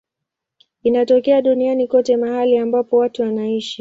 Inatokea duniani kote mahali ambapo watu wanaishi.